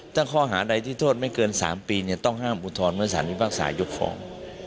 ถ้าข้อหาใดที่โทษไม่เกิน๓ปีเนี่ยต้องห้ามอุทธรณ์เมื่อศาลมีภาคศาลยกของ